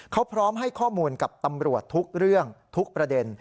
เขาพร้อมให้ข้อมูลกับตำรวจทุกเรื่องทุกประเด็น